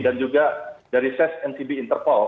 dan juga dari zncb interpol